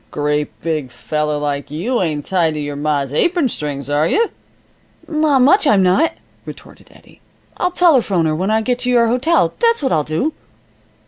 "A great big feller like you ain't tied to your ma's apron strings are you?" "Not much I'm not!" retorted Eddie. "I'll telephone her when I get to your hotel, that's what I'll do."